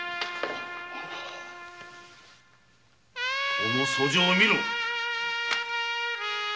この訴状を見ろ！